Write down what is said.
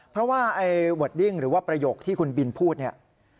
เพราะว่าไอ้เวอร์ดดิ้งหรือว่าประโยคที่คุณบินพูดเนี่ย